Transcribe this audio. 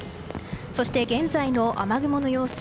そして現在の雨雲の様子。